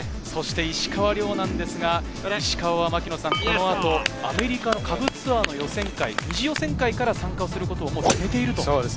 石川遼ですが、このあとアメリカの下部ツアーの予選会、２次予選会から参加することを決めていると。